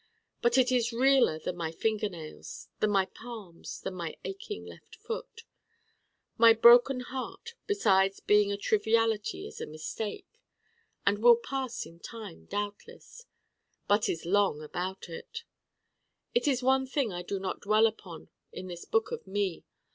But it is realer than my fingernails: than my palms: than my aching left foot. My Broken Heart, besides being a triviality is a mistake, and will pass in time doubtless, but is long about it. It is one thing I do not dwell upon in this book of me.